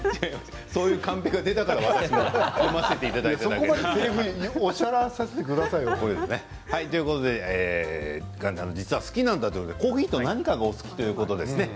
そういうカンペが出たから私もそこまで、せりふおっしゃらさせてくださいよ。ということで岩ちゃんの実は好きなんだということでコーヒーと何かがお好きということですね。